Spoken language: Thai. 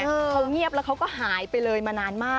เขาเงียบแล้วเขาก็หายไปเลยมานานมาก